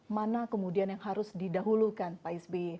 mana kemudian yang harus didahulukan pak s b